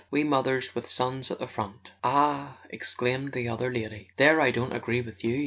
We mothers with sons at the front ..." "Ah," exclaimed the other lady, "there I don't agree with you.